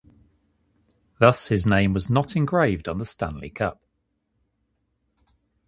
Thus, his name was not engraved on the Stanley Cup.